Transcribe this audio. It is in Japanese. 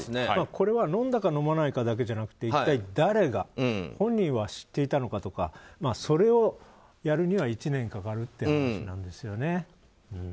これは飲んだか飲まないかだけではなく一体誰がとか本人は知っていたのかとかそれをやるには１年かかるという話になるんですよね。